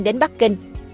đến bắc kinh